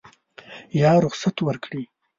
یا رخصت ورکړي.